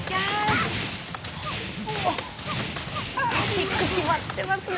キック決まってますね